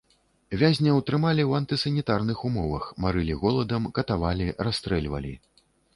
Вязняў трымалі ў антысанітарных умовах, марылі голадам, катавалі, расстрэльвалі.